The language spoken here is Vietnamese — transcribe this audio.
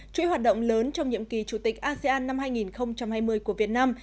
chuỗi hoạt động lớn trong nhiệm kỳ chủ tịch asean năm hai nghìn hai mươi của việt nam